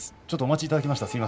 ちょっとお待ちいただきました。